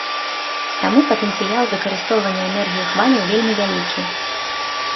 Таму патэнцыял выкарыстоўвання энергіі хваляў вельмі вялікі.